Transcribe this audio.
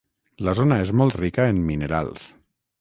La zona és molt rica en minerals.